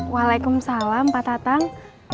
waalaikumsalam pak tatang